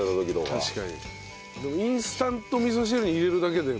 確かに。